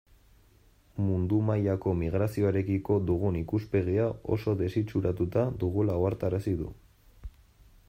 Mundu mailako migrazioarekiko dugun ikuspegia oso desitxuratuta dugula ohartarazi du.